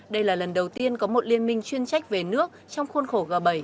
đây là lần đầu tiên có một liên minh chuyên trách về nước trong khuôn khổ g bảy